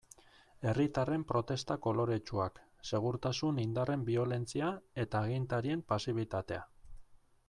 Herritarren protesta koloretsuak, segurtasun indarren biolentzia eta agintarien pasibitatea.